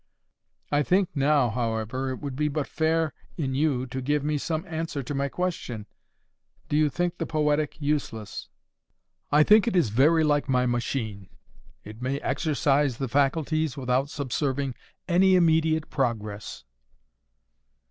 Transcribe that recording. I think now, however, it would be but fair in you to give me some answer to my question. Do you think the poetic useless?" "I think it is very like my machine. It may exercise the faculties without subserving any immediate progress."